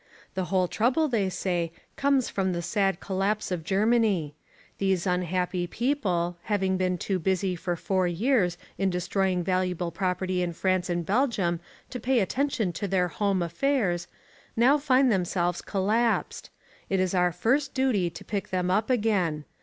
The whole trouble, they say, comes from the sad collapse of Germany. These unhappy people, having been too busy for four years in destroying valuable property in France and Belgium to pay attention to their home affairs, now find themselves collapsed: it is our first duty to pick them up again.